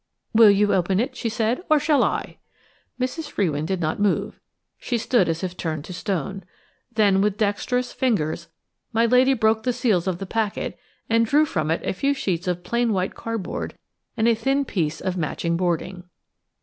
"Will you open it?" she said, "or shall I?" Mrs. Frewin did not move. She stood as if turned to stone. Then with dexterous fingers my lady broke the seals of the packet and drew from it a few sheets of plain white cardboard and a thin piece of match boarding.